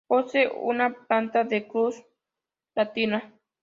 Posee una planta de cruz latina.